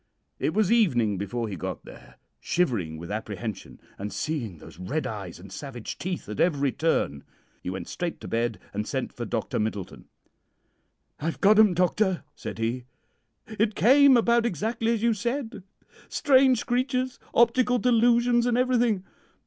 It was evening before he got there, shivering with apprehension, and seeing those red eyes and savage teeth at every turn. He went straight to bed and sent for Dr. Middleton. "'I've got 'em, doctor,' said he. 'It came about exactly as you said strange creatures, optical delusions, and everything.